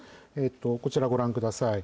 こちらご覧ください。